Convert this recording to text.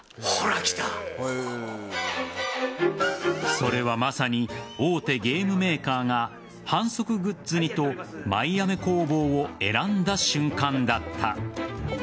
それはまさに大手ゲームメーカーが販促グッズにとまいあめ工房を選んだ瞬間だった。